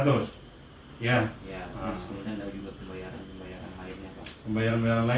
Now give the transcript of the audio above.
untuk kepentingan pribadi kamu yang jelas